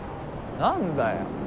何だよ。